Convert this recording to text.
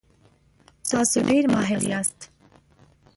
تاسو ډیر ماهر یاست.